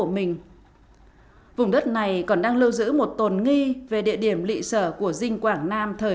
mì quảng là mì phú chiêm đó cái mì đào đáo